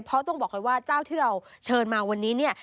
เพราะต้องบอกกันว่าเจ้าที่เราเชิญมาวันนี้เนี่ย